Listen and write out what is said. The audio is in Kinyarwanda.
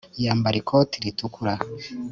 Yambara ikoti ritukura